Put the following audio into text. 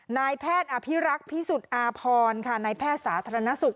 นายแพทย์อภิรักษ์พิสุทธิ์อาพรนายแพทย์สาธารณสุข